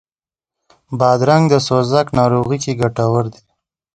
بادرنګ د سوزاک ناروغي کې ګټور دی.